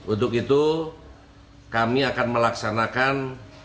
untuk itu kami akan melaksanakan